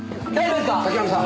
滝浪さん。